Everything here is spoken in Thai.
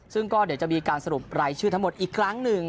ซึ่งก็เดี๋ยวจะมีการสรุปรายชื่อทั้งหมดอีกครั้งหนึ่ง